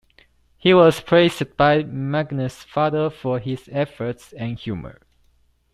He was praised by Magnus's father for his efforts and humor.